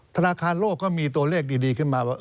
ธนาคารโลกก็มีตัวเลขดีขึ้นมาว่า